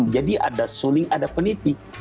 jadi ada suling ada peniti